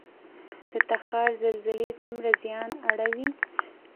د تخار زلزلې څومره زیان اړوي؟